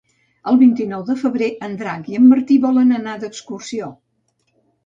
El vint-i-nou de febrer en Drac i en Martí volen anar d'excursió.